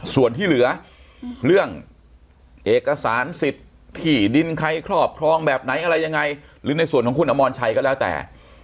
ส่วนที่เหลือเรื่องเอกสารสิทธิ์ที่ดินใครครอบครองแบบไหนอะไรยังไงหรือในส่วนของคุณอมรชัยก็แล้วแต่